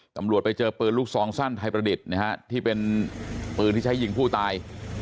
ตำรวจไปเจอปืนลูกซองสั้นไทยประดิษฐ์นะฮะที่เป็นปืนที่ใช้ยิงผู้ตาย